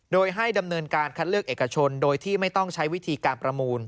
โดยให้ดำเนินการคัดเลือกเอกชนโดยที่ไม่ต้องใช้วิธีการประมูล